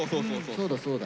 そうだそうだ。